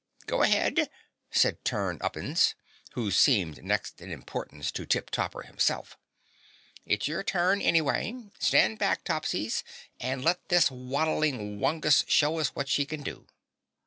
"Go ahead," said Turn Uppins, who seemed next in importance to Tip Topper himself. "It's your turn anyway. Stand back Topsies, and let this waddling whangus show us what she can do."